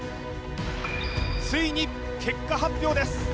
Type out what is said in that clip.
ついに結果発表です！